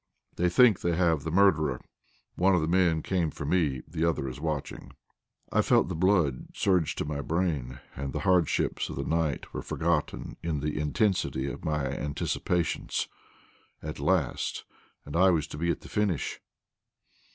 They think they have the murderer. One of the men came for me; the other is watching." I felt the blood surge to my brain, and the hardships of the night were forgotten in the intensity of my anticipations. At last, and I was to be at the finish!